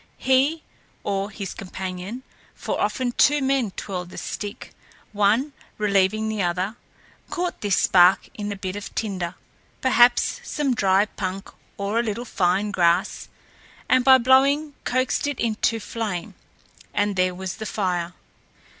He, or his companion, for often two men twirled the stick, one relieving the other, caught this spark in a bit of tinder perhaps some dry punk or a little fine grass and by blowing coaxed it into flame, and there was the fire.